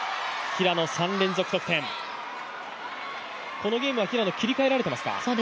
このゲームは平野、切り替えられていますか？